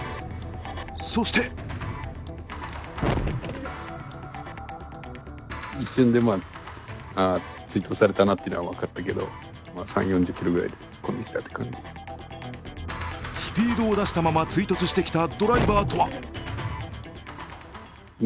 そしてスピードを出したまま追突してきたドライバーとは？